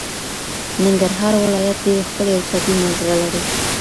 ننګرهار ولایت ډیر ښکلی او طبعې منظره لری